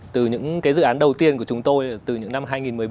từ những cái dự án đầu tiên của chúng tôi từ những năm hai nghìn một mươi ba